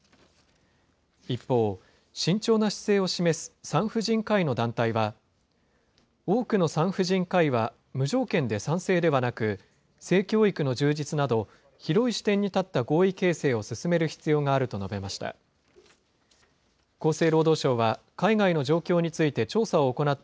一方、慎重な姿勢を示す産婦人科医の団体は、多くの産婦人科医は、無条件で賛成ではなく、性教育の充実など広い視点に立った合意形成を進める必要があると述べました。